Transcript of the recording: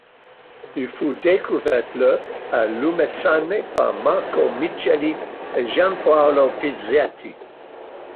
Il fut découvert le à Lumezzane par Marco Micheli et Gian Paolo Pizzetti.